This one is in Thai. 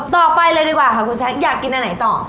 ต่อไปเลยดีกว่าค่ะคุณแซคอยากกินอันไหนต่อ